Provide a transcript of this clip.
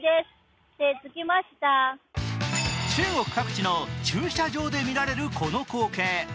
中国各地の駐車場で見られるこの光景。